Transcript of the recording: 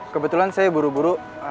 kebetulan saya buru buru